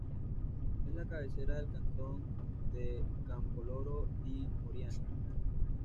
Es la cabecera del cantón de Campoloro-di-Moriani.